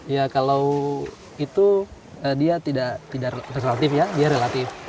ya kalau itu dia tidak relatif ya dia relatif